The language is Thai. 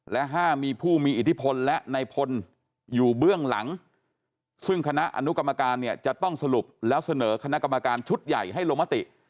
และห้ามมีผู้มีอิทธิพลและในพลอยู่เบื้องหลังซึ่งคณะอนุกรรมการเนี่ยจะต้องสรุปแล้วเสนอคณะกรรมการชุดใหญ่ให้ลงมติ